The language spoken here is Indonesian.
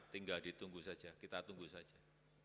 tinggal ditunggu saja kita tunggu saja